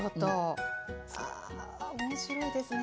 ああ面白いですね